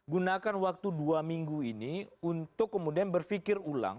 gunakan waktu dua minggu ini untuk kemudian berpikir ulang